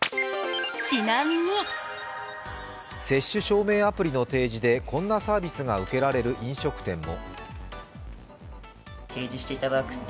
接種証明アプリの提示でこんなサービスが受けられる飲食店も。